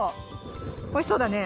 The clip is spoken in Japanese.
おいしそうだね。